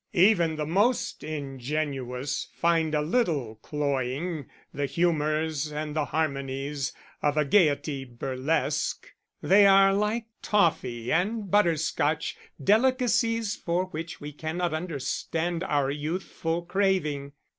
Even the most ingenuous find a little cloying the humours and the harmonies of a Gaiety burlesque; they are like toffee and butterscotch, delicacies for which we cannot understand our youthful craving.